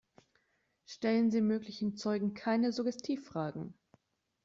Stellen Sie möglichen Zeugen keine Suggestivfragen.